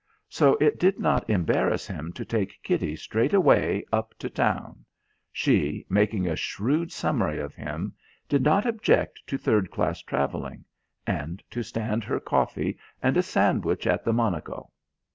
So it did not embarrass him to take Kitty straight away up to town she, making a shrewd summary of him, did not object to third class travelling and to stand her coffee and a sandwich at the Monico.